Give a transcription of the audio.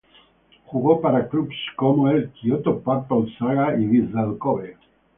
Jugó para clubes como el Kyoto Purple Sanga y Vissel Kobe.